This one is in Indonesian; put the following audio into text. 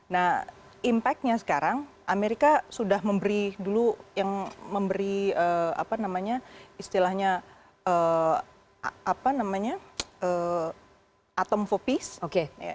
nah impact nya sekarang amerika sudah memberi dulu yang memberi istilahnya atom for peace